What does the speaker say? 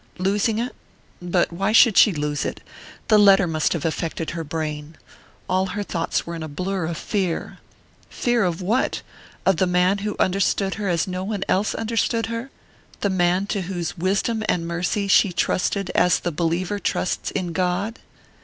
Losing it? But why should she lose it? The letter must have affected her brain...all her thoughts were in a blur of fear.... Fear of what? Of the man who understood her as no one else understood her? The man to whose wisdom and mercy she trusted as the believer trusts in God?